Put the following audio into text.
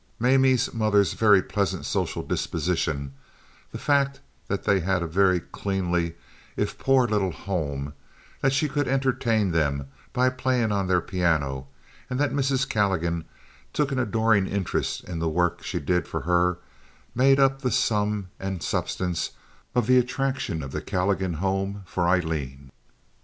Mamie's mother's very pleasant social disposition, the fact that they had a very cleanly, if poor little home, that she could entertain them by playing on their piano, and that Mrs. Calligan took an adoring interest in the work she did for her, made up the sum and substance of the attraction of the Calligan home for Aileen.